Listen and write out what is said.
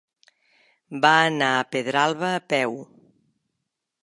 Va anar a Pedralba a peu.